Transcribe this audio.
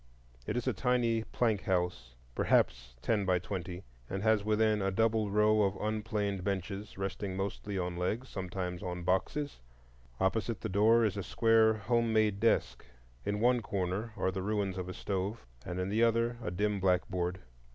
It is a tiny plank house, perhaps ten by twenty, and has within a double row of rough unplaned benches, resting mostly on legs, sometimes on boxes. Opposite the door is a square home made desk. In one corner are the ruins of a stove, and in the other a dim blackboard.